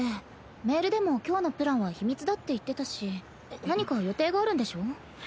メールでも今日のプランは秘密だって言ってたし何か予定があるんでしょ？